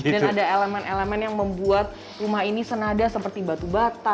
dan ada elemen elemen yang membuat rumah ini senada seperti batu bata